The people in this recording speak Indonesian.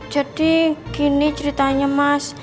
jadi gini ceritanya mas